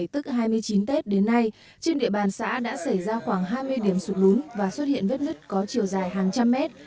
tức hai mươi chín tết đến nay trên địa bàn xã đã xảy ra khoảng hai mươi điểm sụt lún và xuất hiện vết nứt có chiều dài hàng trăm mét